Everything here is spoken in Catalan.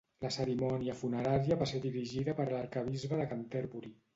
La cerimònia funerària va ser dirigida per l'arquebisbe de Canterbury.